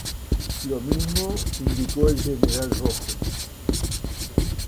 Lo mismo indicó el general Rojo.